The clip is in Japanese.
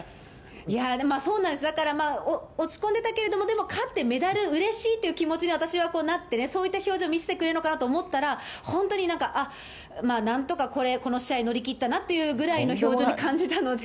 いやぁ、でもそうなんです、だからまあ、落ち込んでたけれども、でも勝ってメダルうれしいという気持ちに、私はなってね、そういった表情、見せてくれるのかなと思ったら、本当になんか、あっ、なんとかこれ、この試合乗り切ったなというぐらいの表情に感じたので。